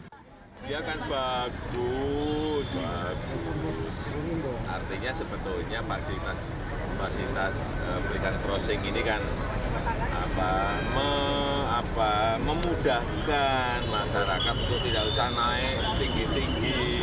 artinya sebetulnya fasilitas pelikan crossing ini kan memudahkan masyarakat untuk tidak usah naik tinggi tinggi